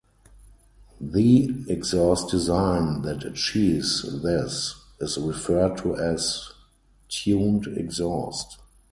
The exhaust design that achieves this is referred to as "tuned exhaust".